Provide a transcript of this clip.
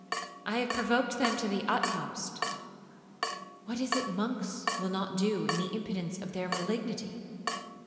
I have provoked them to the utmost,—what is it monks will not do in the impotence of their malignity?